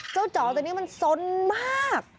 เจ้าจ๋อตัวนี้มันซนมาก